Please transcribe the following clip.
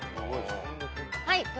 はい。